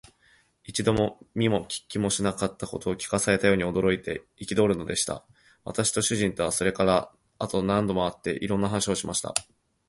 一度も見も聞きもしなかったことを聞かされたように、驚いて憤るのでした。私と主人とは、それから後も何度も会って、いろんな話をしました。